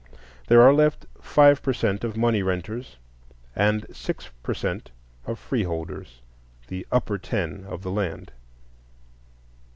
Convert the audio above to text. There are left five per cent of money renters and six per cent of freeholders,—the "Upper Ten" of the land.